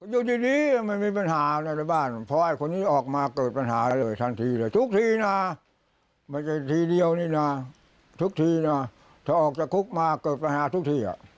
อยู่ดีมันมีปัญหาอะไรในบ้านเพราะไอ้คนนี้ออกมาเกิดปัญหาเลยทันทีเลยทุกทีนะไม่ใช่ทีเดียวนี่นะทุกทีนะถ้าออกจากคุกมาเกิดปัญหาทุกที